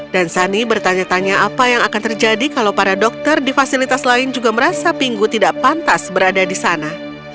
dan sunny bertanya tanya apa yang akan terjadi kalau para dokter di fasilitas lain juga merasa pingu tidak pantas berada di sana